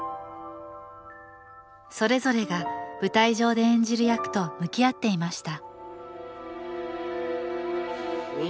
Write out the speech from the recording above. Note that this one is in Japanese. それぞれが舞台上で演じる役と向き合っていました